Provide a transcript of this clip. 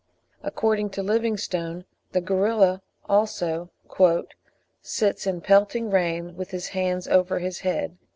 According to Livingstone, the gorilla also "sits in pelting rain with his hands over his head."